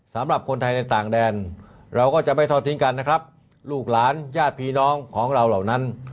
สำหรับคนไทยในต่างแดนเราก็จะไม่ทอดทิ้งกันนะครับลูกหลานญาติพี่น้องของเราเหล่านั้น